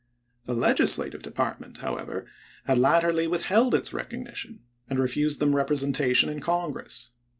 The Legislative Department, how ever, had latterly withheld its recognition, and refused them representation in Congress.